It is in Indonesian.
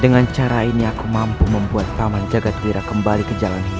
dengan cara ini aku mampu membuat taman jagadwira kembali ke jalan ini